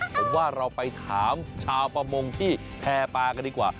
ผมว่าเราไปถามชาวประมงที่แพร่ปลากันดีกว่า